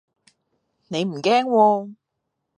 你唔驚喎